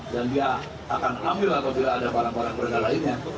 dan dia akan ambil atau bila ada barang barang berada lainnya